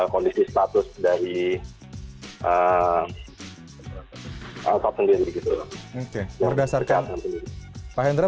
kondisi status dari asap sendiri gitu